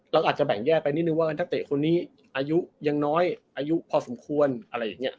เราอาจจะแบ่งแยกไปนิดนึงว่านักเตะคนนี้อายุยังน้อยอายุพอสมควรอะไรอย่างนี้